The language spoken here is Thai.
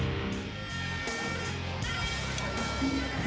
สวัสดีครับ